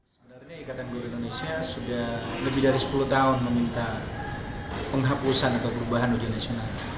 sebenarnya ikatan guru indonesia sudah lebih dari sepuluh tahun meminta penghapusan atau perubahan ujian nasional